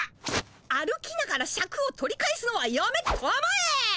歩きながらシャクを取り返すのはやめたまえ！